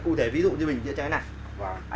cụ thể ví dụ như bình dễ cháy này